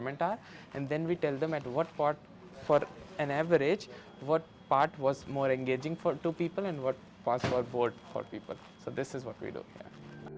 ini adalah apa yang kita lakukan